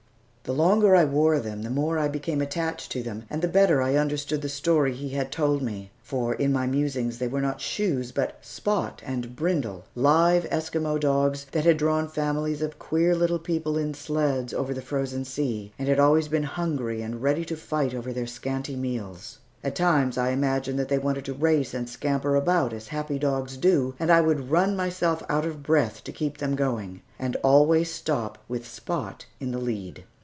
The longer I wore them the more I became attached to them, and the better I understood the story he had told me; for in my musings they were not shoes, but "Spot" and "Brindle," live Eskimo dogs, that had drawn families of queer little people in sleds over the frozen sea, and had always been hungry and ready to fight over their scanty meals. At times I imagined that they wanted to race and scamper about as happy dogs do, and I would run myself out of breath to keep them going, and always stop with Spot in the lead.